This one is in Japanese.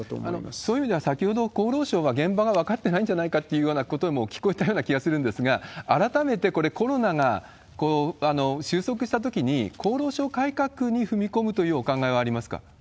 そういう意味では、先ほど厚労省は、現場は分かってないんじゃないかということも聞こえたような気がするんですが、改めてこれ、コロナが収束したときに、厚労省改革に踏み込むというお考え